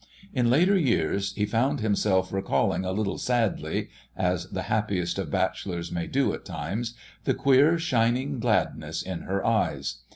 In later years he found himself recalling a little sadly (as the happiest of bachelors may do at times) the queer, shining gladness in her eyes.